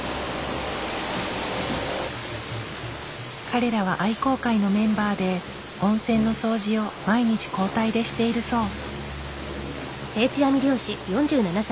彼らは愛好会のメンバーで温泉の掃除を毎日交代でしているそう。